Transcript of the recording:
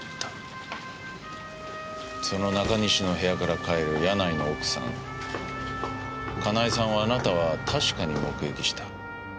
その中西の部屋から帰る柳井の奥さん香奈恵さんをあなたは確かに目撃した。